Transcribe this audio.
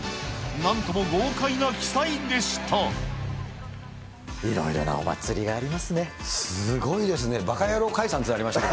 なんとも豪快な奇祭でした。